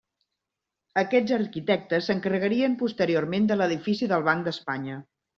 Aquests arquitectes s'encarregarien posteriorment de l'edifici del Banc d'Espanya.